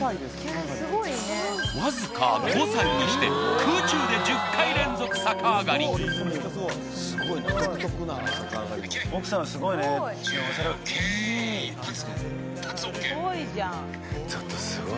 わずか５歳にして空中で１０回連続逆上がり奥さんはすごいねいい！